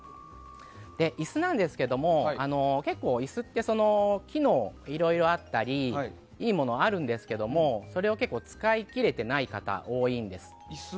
椅子なんですけれども結構、椅子って機能がいろいろあったりいいものあるんですけどそれを結構使いきれてない方多いんです。